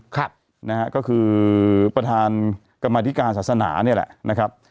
ก็คือประธานกรรมนิการศาสนานี้แหละ